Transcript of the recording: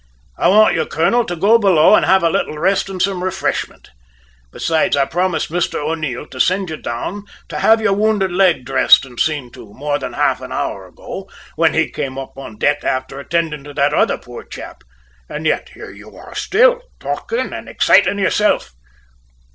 I want you, colonel, to go below and have a little rest and some refreshment. Besides, I promised Mr O'Neil to send you down to have your wounded leg dressed and seen to, more than half an hour ago, when he came up on deck after attending to that other poor chap, and yet here you are still, talking and exciting yourself.